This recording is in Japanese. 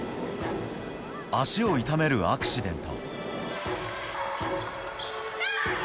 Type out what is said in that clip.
足を痛めるアクシデント。